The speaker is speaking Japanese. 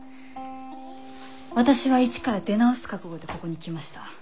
私は一から出直す覚悟でここに来ました。